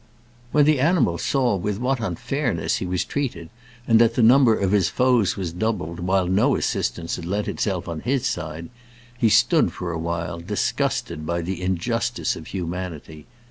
When the animal saw with what unfairness he was treated, and that the number of his foes was doubled, while no assistance had lent itself on his side, he stood for a while, disgusted by the injustice of humanity.